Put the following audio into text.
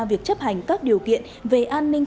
việc chấp hành các điều kiện về an ninh